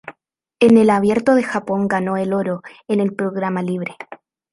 En el Abierto de Japón ganó el oro en el programa libre.